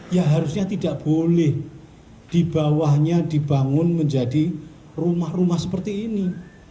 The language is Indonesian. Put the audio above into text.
ya harusnya tidak boleh di bawahnya dibangun menjadi rumah rumah seperti ini